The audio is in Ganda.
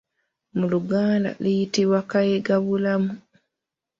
Mu Luganda liyitibwa Kayigabulamu.